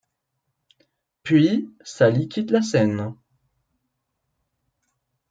Puis, Sally quitte la scène.